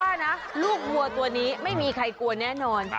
ว่านะลูกวัวตัวนี้ไม่มีใครกลัวแน่นอน